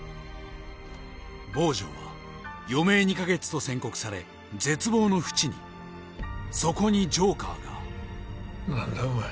坊城は余命２か月と宣告され絶望の淵にそこにジョーカーが何だお前？